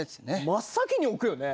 真っ先に置くよね。